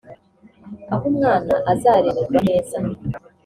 Aho umwana azarererwa neza